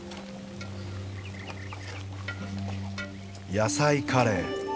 野菜カレー。